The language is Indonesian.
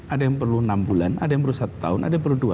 ada yang perlu enam bulan ada yang perlu satu tahun ada yang perlu dua